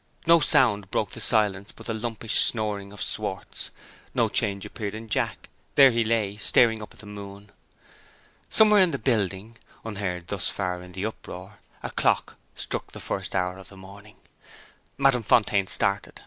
No sound broke the silence but the lumpish snoring of Schwartz. No change appeared in Jack; there he lay, staring up at the moon. Somewhere in the building (unheard thus far in the uproar) a clock struck the first hour of the morning. Madame Fontaine started.